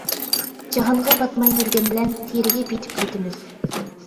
جاھانغا پاتماي يۈرگەن بىلەن تېرىگە پېتىپ كېتىمىز.